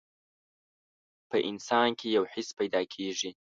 په انسان کې يو حس پيدا کېږي.